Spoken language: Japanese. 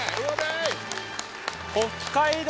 北海道